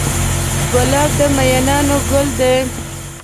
ګلاب د مینانو ګل دی.